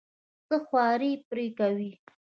څه خواري پرې کوې.